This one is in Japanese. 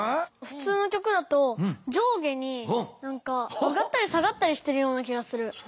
ふつうの曲だと上下に上がったり下がったりしてるような気がする。